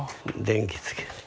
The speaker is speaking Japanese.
電気つけて。